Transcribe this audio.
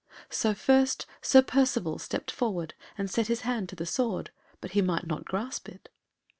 So first Sir Percivale stepped forward and set his hand to the sword, but he might not grasp it.